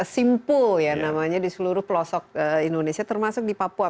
simpul ya namanya di seluruh pelosok indonesia termasuk di papua